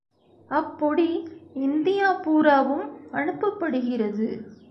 அப்பொடி India பூராவும் அனுப்பப்படுகிறது.